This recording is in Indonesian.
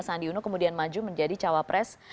sandi uno kemudian maju menjadi cawapres